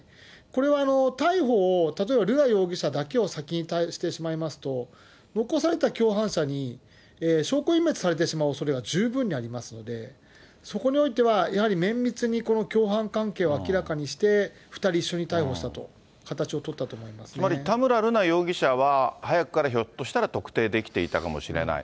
これは逮捕を例えば瑠奈容疑者だけを先にしてしまいますと、残された共犯者に証拠隠滅されてしまうおそれが十分にありますので、そこにおいては、やはり綿密にこの共犯関係を明らかにして、２人一緒に逮捕したとつまり田村瑠奈容疑者は、早くからひょっとしたら特定できていたかもしれない。